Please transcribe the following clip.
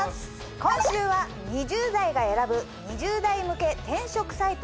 今週は２０代が選ぶ２０代向け転職サイト